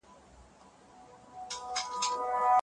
که تدریس تمرکز رامنځته کړي، ذهن نه ګډوډېږي.